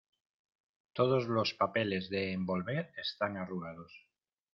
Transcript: Todos los papeles de envolver están arrugados.